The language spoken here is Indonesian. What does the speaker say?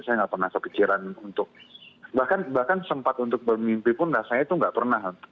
saya nggak pernah kepikiran untuk bahkan sempat untuk bermimpi pun rasanya itu nggak pernah